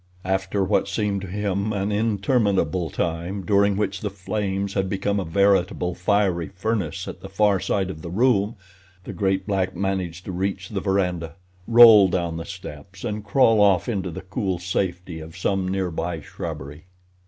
After what seemed to him an interminable time, during which the flames had become a veritable fiery furnace at the far side of the room, the great black managed to reach the veranda, roll down the steps, and crawl off into the cool safety of some nearby shrubbery.